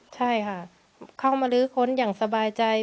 ใช่ค่ะเข้ามาลื้อค้นอย่างสบายใจ